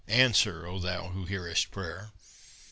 Answer, O thou that hearest prayer!